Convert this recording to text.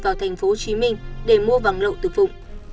vào tp hcm để mua vàng lậu từ phụng